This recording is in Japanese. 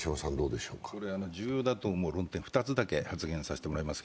重要だと思う論点２つだけ発言させてもらいます。